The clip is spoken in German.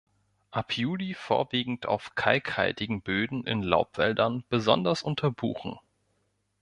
Ab Juli vorwiegend auf kalkhaltigen Böden in Laubwäldern, besonders unter Buchen.